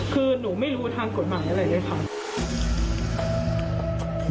คือหนูไม่รู้ทางกฎหมายอะไรด้วยค่ะ